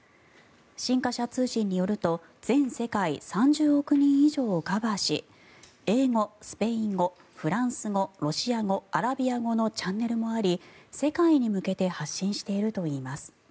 新華社通信によると全世界３０億人以上をカバーし英語、スペイン語、フランス語ロシア語、アラビア語のチャンネルもあり世界に向けて発信しているといいます。